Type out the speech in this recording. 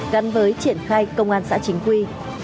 gắn với triển khai công an xã chính quy